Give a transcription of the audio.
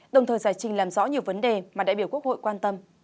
đồng thời giải trình làm rõ nhiều vấn đề mà đại biểu quốc hội quan tâm